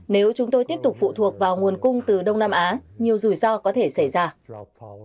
nếu chúng tôi tiếp tục phụ thuộc vào nguồn cung từ đông nam á nhiều rủi ro có thể xảy ra